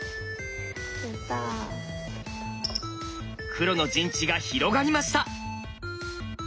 黒の陣地が広がりました。